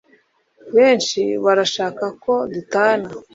Benshi barashaka ko dutana